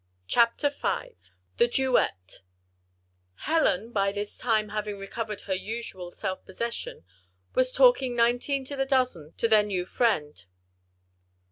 CHAPTER V "THE DUET" Helen, by this time, having recovered her usual self possession, was talking "nineteen to the dozen" to their new friend.